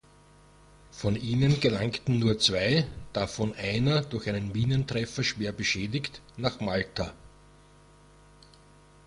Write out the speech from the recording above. Von ihnen gelangten nur zwei, davon einer durch einen Minentreffer schwer beschädigt, nach Malta.